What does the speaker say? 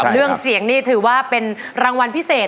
เรื่องเสียงนี่ถือว่าเป็นรางวัลพิเศษ